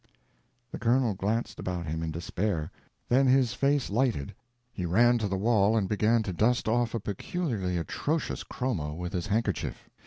The Colonel glanced about him in despair. Then his face lighted; he ran to the wall and began to dust off a peculiarly atrocious chromo with his handkerchief.